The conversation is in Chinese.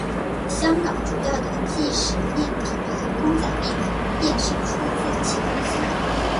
香港主要的即食面品牌公仔面便是出自其公司。